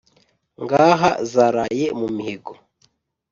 ngaha zaraye mu mihigo.